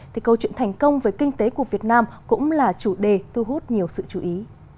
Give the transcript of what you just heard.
thì câu chuyện thành công về kinh tế của việt nam cũng là chủ đề thu hút nhiều sự chú ý